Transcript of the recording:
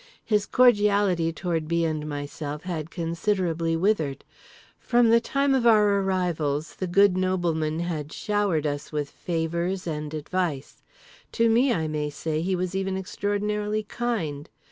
His cordiality toward B. and myself had considerably withered. From the time of our arrivals the good nobleman had showered us with favours and advice. To me, I may say, he was even extraordinarily kind.